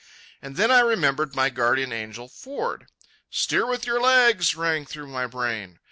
And then I remembered my guardian angel, Ford. "Steer with your legs!" rang through my brain.